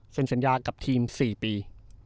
เซ็นสัญญากับทีม๔ปี